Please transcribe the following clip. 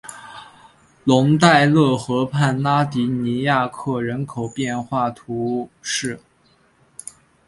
龙代勒河畔拉迪尼亚克人口变化图示